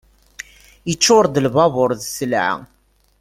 Iččur-d lbabur d sselɛa.